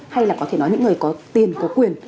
hay là có thể nói những người có tiền có quyền